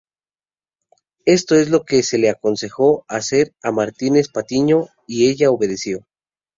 Esto es lo que se le aconsejó hacer a Martínez Patiño, y ella obedeció.